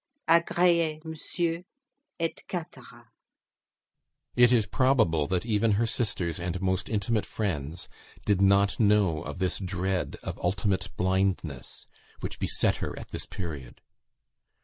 Agreez, Monsieur," &c. It is probable, that even her sisters and most intimate friends did not know of this dread of ultimate blindness which beset her at this period.